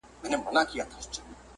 مېله هم وکړې